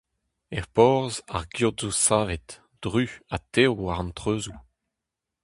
Er porzh, ar geot zo savet, druz ha tev war an treuzoù.